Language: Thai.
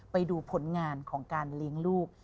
ไปดูผลงานของการเลี้ยงลูก